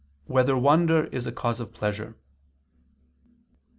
8] Whether Wonder Is a Cause of Pleasure?